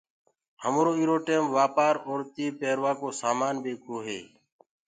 همرو ايرو ٽيم وآپآر اورتي پيروآ ڪو سآمآن ٻيڪوو هي